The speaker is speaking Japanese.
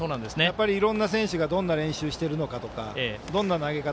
いろんな選手がどんな練習しているのかどんな投げ方